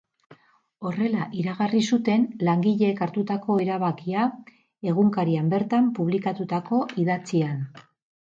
Horrela iragarri zuten langileek hartutako erabakia egunkarian bertan publikatutako idatzian.